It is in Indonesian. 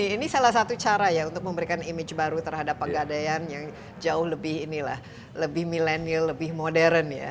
ini salah satu cara ya untuk memberikan image baru terhadap pegadian yang jauh lebih millennial lebih modern ya